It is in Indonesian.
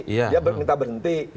dia minta berhenti